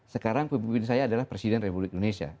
sekarang pemimpin saya adalah presiden republik indonesia